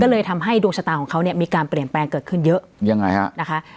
ก็เลยทำให้ดวงชะตาของเขาเนี่ยมีการเปลี่ยนแปลงเกิดขึ้นเยอะยังไงฮะนะคะ